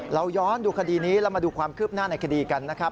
เราย้อนดูคดีนี้เรามาดูความคืบหน้าในคดีกันนะครับ